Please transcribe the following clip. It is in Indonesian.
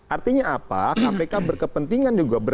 artinya apa kpk berkepentingan juga